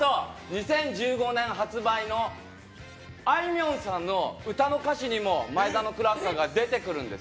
２０１５年発売のあいみょんさんの歌の歌詞にも前田のクラッカーが出てくるんです。